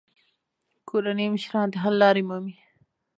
کورني مشران د حل لارې مومي.